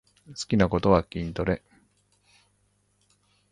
好きなことは筋トレ